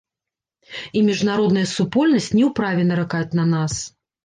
І міжнародная супольнасць не ў праве наракаць на нас.